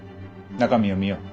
中身を見よう。